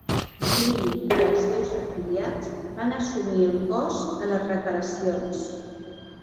Green i els seus afiliats van assumir el cost de les reparacions.